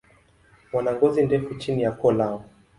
Wana ngozi ndefu chini ya koo lao.